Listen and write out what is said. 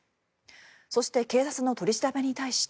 そして警察の取り調べに対して。